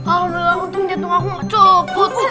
ah udah lah untung jatuh aku gak copot